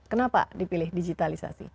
kenapa dipilih digitalisasi